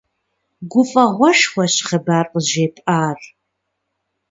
Гуфӏэгъуэшхуэщ хъыбар къызжепӏар.